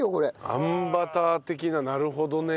あんバター的ななるほどね。